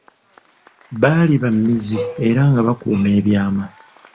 Baali ba mmizi era nga bakuuma ebyama.